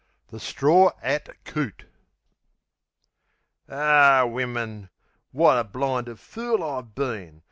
VI. The Stror 'at Coot Ar, wimmin! Wot a blinded fool I've been!